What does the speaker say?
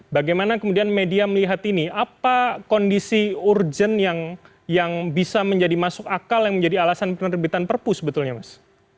bagaimana kemudian media melihat ini apa kondisi urgent yang bisa menjadi masuk akal yang menjadi alasan penerbitan perpu sebetulnya mas